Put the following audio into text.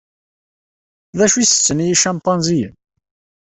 D acu i setten yicimpanziyen?